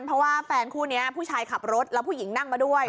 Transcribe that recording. เพราะว่าแฟนคู่นี้ผู้ชายขับรถแล้วผู้หญิงนั่งมาด้วย